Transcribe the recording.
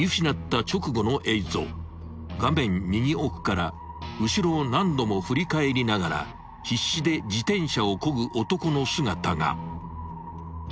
［画面右奥から後ろを何度も振り返りながら必死で自転車をこぐ男の姿が］